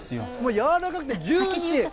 柔らかくてジューシー。